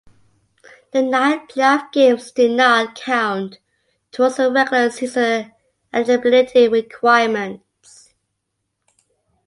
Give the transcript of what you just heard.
The nine playoff games did not count towards the regular season eligibility requirements.